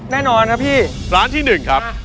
แน่นอนครับพี่ร้านที่๑ครับ